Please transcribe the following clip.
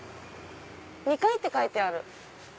２階って書いてある。